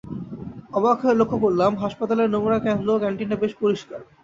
অবাক হয়ে লক্ষ করলাম হাসপাতাল নোংরা হলেও ক্যান্টিনাটা বেশ পরিষ্কার।